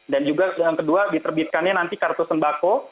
dan juga yang kedua diterbitkannya nanti kartu sembako